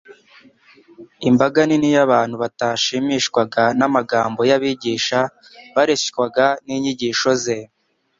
Imbaga nini y’abantu batashimishwaga n’amagambo y’abigisha bareshywaga n’inyigisho Ze.